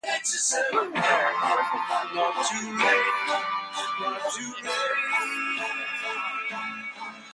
Ruthenberg was a frequent candidate on the ticket of the Socialist Party.